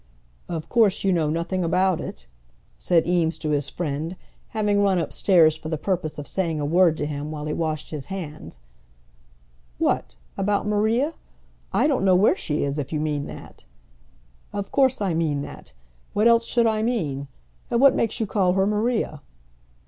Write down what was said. "Of course you know nothing about it?" said Eames to his friend, having run upstairs for the purpose of saying a word to him while he washed his hands. "What, about Maria? I don't know where she is, if you mean that." "Of course I mean that. What else should I mean? And what makes you call her Maria?"